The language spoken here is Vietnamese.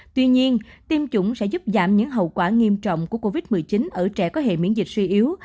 tuy nhiên tiêm chủng sẽ giúp giảm những hậu quả nghiêm trọng của covid một mươi chín ở trẻ có hệ miễn dịch suy yếu